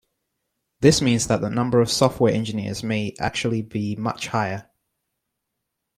This means that the number of software engineers may actually be much higher.